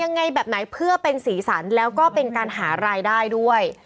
ยังไงแบบไหนเพื่อเป็นสีสันแล้วก็เป็นการหารายได้ด้วย